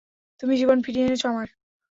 তুমি জীবন ফিরিয়ে এনেছ, অমর!